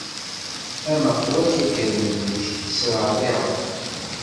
Amaqwa-k a gerninuc, tesreɛriɛeḍ!